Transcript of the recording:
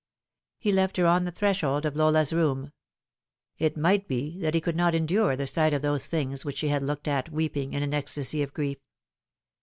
He left her on the threshold of Lola's room. It might be that he could not endure the sight of those things which she had looked at weeping, in an ecstasy of grief.